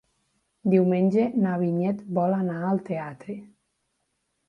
Diumenge na Vinyet vol anar al teatre.